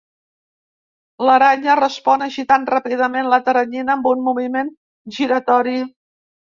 L'aranya respon agitant ràpidament la teranyina amb un moviment giratori.